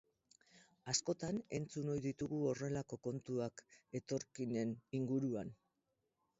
Askotan entzun ohi ditugu horrelako kontuak etorkinen inguruan.